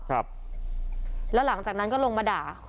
ครับแล้วหลังจากนั้นก็ลงมาด่า